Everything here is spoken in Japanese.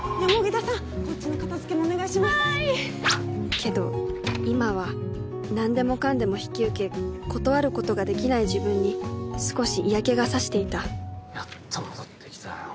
けど今は何でもかんでも引き受け断ることができない自分に少し嫌気が差していたやっと戻ってきたよ。